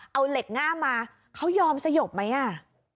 เอาเหล็กง่ามมาเขายอมสยบไหมอ่ะ